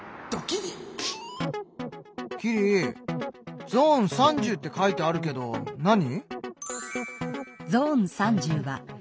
キリ「ゾーン３０」って書いてあるけど何？